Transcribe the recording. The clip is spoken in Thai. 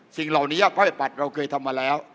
สิ่งเหล่านี้พระอาจารย์ปรัชน์เราเคยทำมาแล้ว